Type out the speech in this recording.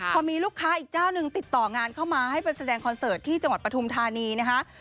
พอมีลูกค้าอีกเจ้าหนึ่งติดต่องานเข้ามาให้ไปแสดงคอนเสิร์ตที่จังหวัดปฐุมธานีนะคะ